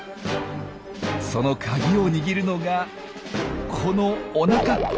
そのカギを握るのがこのおなか！